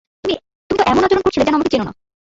তুমি তো এমন আচরণ করছিলে যেন আমাকে চেনো না।